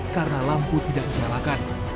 karena lampu tidak dinalakan